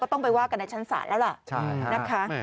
ต้องไปว่ากันในชั้นศาลแล้วล่ะนะคะ